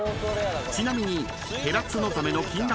［ちなみに］